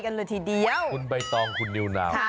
คุณใบตองคุณเดียวนาว